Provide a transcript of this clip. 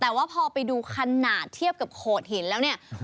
แต่ว่าพอไปดูขนาดเทียบกับโขดหินแล้วเนี่ย